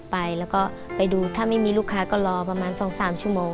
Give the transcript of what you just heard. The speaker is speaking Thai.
ไปแล้วก็ไปดูถ้าไม่มีลูกค้าก็รอประมาณ๒๓ชั่วโมง